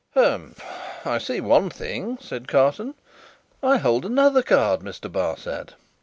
"Humph! I see one thing," said Carton. "I hold another card, Mr. Barsad.